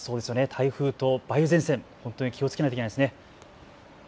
台風と梅雨前線、本当に気をつけないといけないですね。